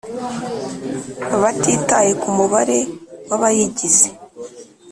batitaye ku mubare w abayigize